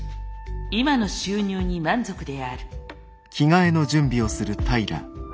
今の収入に満足である。